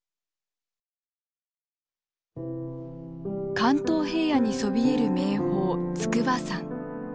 関東平野にそびえる名峰筑波山。